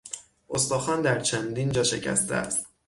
استخوان در چندین جا شکسته است.